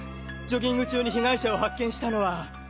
ジョギング中に被害者を発見したのは。